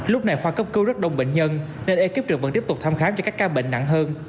lúc này khoa cấp cứu rất đông bệnh nhân nên ekip trực vẫn tiếp tục thăm khám cho các ca bệnh nặng hơn